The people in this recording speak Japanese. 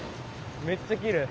めっちゃきれい。